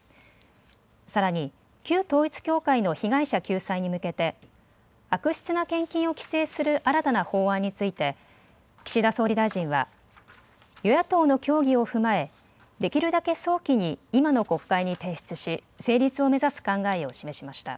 さらに旧統一教会の被害者救済に向けて、悪質な献金を規制する新たな法案について、岸田総理大臣は、与野党の協議を踏まえ、できるだけ早期に今の国会に提出し、成立を目指す考えを示しました。